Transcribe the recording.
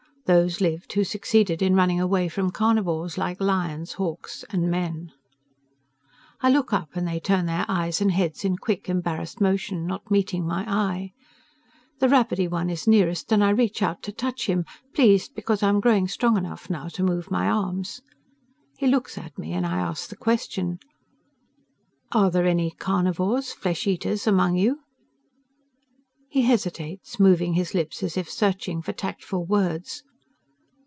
Those lived who succeeded in running away from carnivores like lions, hawks, and men. I look up, and they turn their eyes and heads in quick embarrassed motion, not meeting my eye. The rabbity one is nearest and I reach out to touch him, pleased because I am growing strong enough now to move my arms. He looks at me and I ask the question: "Are there any carnivores flesh eaters among you?" He hesitates, moving his lips as if searching for tactful words.